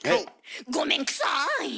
ごめんくさい！